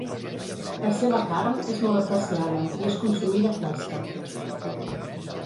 La seva carn és molt apreciada i és consumida fresca.